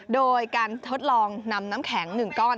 โดยการทดลองนำน้ำแข็ง๑ก้อน